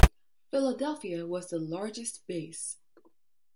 Philadelphia was the largest base.